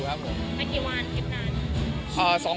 ไปกี่วันเก็บนาน